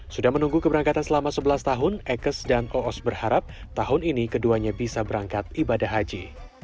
sudah menunggu keberangkatan selama sebelas tahun ekes dan oos berharap tahun ini keduanya bisa berangkat ibadah haji